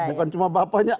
bukan cuma bapaknya